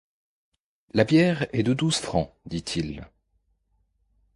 La bière est de douze francs, dit-il.